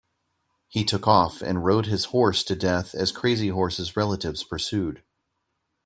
He took off and rode his horse to death as Crazy Horse's relatives pursued.